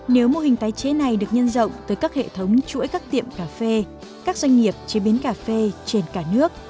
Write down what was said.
nếu mô hình tái chế này được nhân rộng tới các hệ thống chuỗi các tiệm cà phê các doanh nghiệp chế biến cà phê trên cả nước